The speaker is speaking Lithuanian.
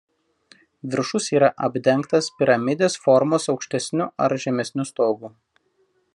Viršus yra apdengtas piramidės formos aukštesniu ar žemesniu stogu.